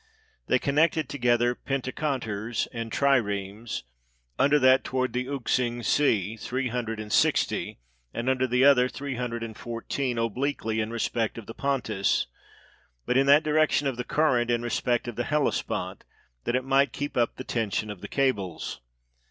They connected together penteconters and triremes, under that toward the Euxine Sea, three hun dred and sixty; and under the other, three hundred and fourteen, obliquely in respect of the Pontus, but in the direction of the current in respect of the Hellespont, that it might keep up the tension of the cables.